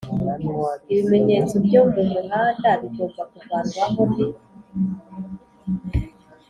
Ibimenyetso byo mu muhanda bigomba kuvanwaho n'